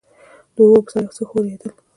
د اوبو پر سر يو څه ښورېدل.